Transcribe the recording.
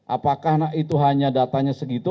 apakah itu hanya datanya segitu